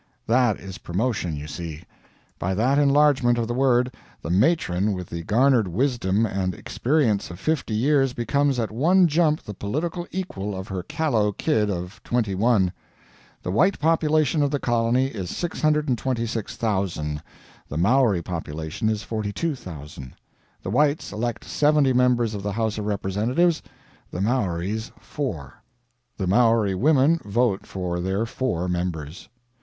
That is promotion, you see. By that enlargement of the word, the matron with the garnered wisdom and experience of fifty years becomes at one jump the political equal of her callow kid of twenty one. The white population of the colony is 626,000, the Maori population is 42,000. The whites elect seventy members of the House of Representatives, the Maoris four. The Maori women vote for their four members.